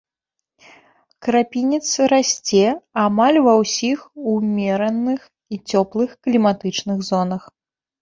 Крапінец расце амаль ва ўсіх ўмераных і цёплых кліматычных зонах.